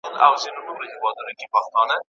¬ توپکه مه دي سر سه، مه دي کونه.